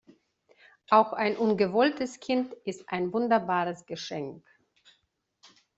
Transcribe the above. Auch ein ungewolltes Kind ist ein wunderbares Geschenk.